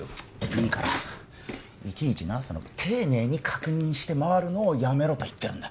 いいからいちいち丁寧に確認して回るのをやめろと言ってるんだ